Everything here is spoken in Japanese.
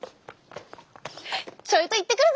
ちょいと行ってくるぜ！